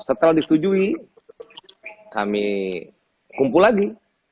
setelah disetujui kami kumpul lagi